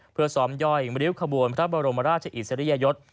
เพื่อซ้อมย่อยริ้วขบวนพระบรมราชอิสริยยศ